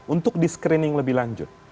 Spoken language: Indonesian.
untuk diskrining lebih lanjut